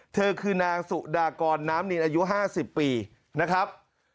เธอคือนางสุดากรน้ำนินอายุ๕๐ปีนะครับ